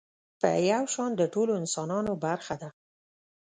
په يو شان د ټولو انسانانو برخه ده.